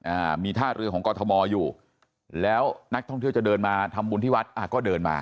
อ่ามีท่าเรือของกรทมอยู่แล้วนักท่องเที่ยวจะเดินมาทำบุญที่วัดอ่าก็เดินมา